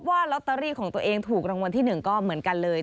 ว่าลอตเตอรี่ของตัวเองถูกรางวัลที่๑ก็เหมือนกันเลย